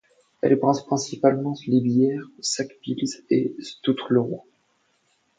Elle brasse principalement les bières Sas Pils et Stout Leroy.